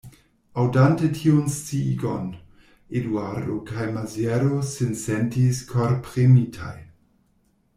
Aŭdante tiun sciigon, Eduardo kaj Maziero sin sentis korpremitaj.